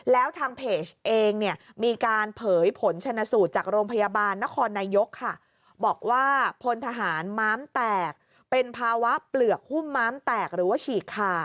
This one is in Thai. แล้วทางเพจเองเนี่ยมีการเผยผลชนะสูตรจากโรงพยาบาลนครนายกค่ะ